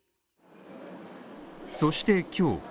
そして、今日。